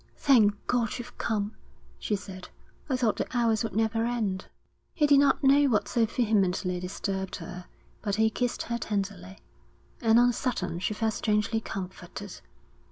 'Thank God, you've come,' she said. 'I thought the hours would never end.' He did not know what so vehemently disturbed her, but he kissed her tenderly, and on a sudden she felt strangely comforted.